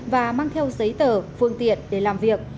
và mang theo giấy tờ phương tiện để làm việc